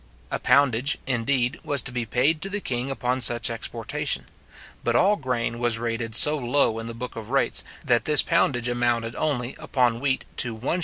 A poundage, indeed, was to be paid to the king upon such exportation; but all grain was rated so low in the book of rates, that this poundage amounted only, upon wheat to 1s.